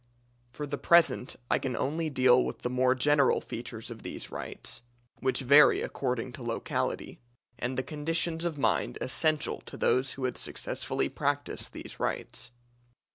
For the present I can only deal with the more general features of these rites (which vary according to locality) and the conditions of mind essential to those who would successfully practise these rites.